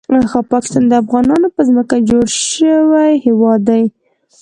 پاکستان د افغانانو په ځمکه جوړ شوی هیواد دی